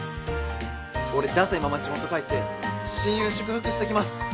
俺ださいまま地元帰って親友祝福してきます